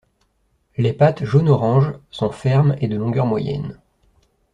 Les pattes jaune-orange sont fermes et de longueur moyenne.